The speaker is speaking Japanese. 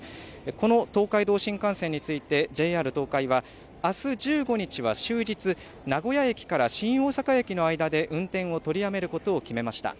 この東海道新幹線についてＪＲ東海はあす１５日は終日、名古屋駅から新大阪駅の間で運転を取りやめることを決めました。